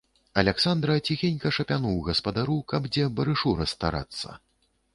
Аляксандра ціхенька шапянуў гаспадару, каб дзе барышу расстарацца.